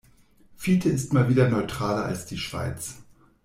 Fiete ist mal wieder neutraler als die Schweiz.